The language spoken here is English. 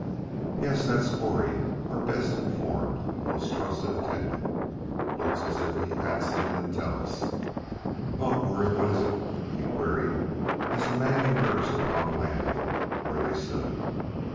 "Yes, that's Correy, our best informed and most trusted attendant. Looks as if he had something to tell us. Well, Correy, what is it?" he queried as the man emerged upon the landing where they stood.